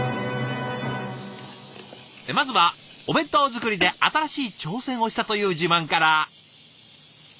まずはお弁当作りで新しい挑戦をしたという自慢から！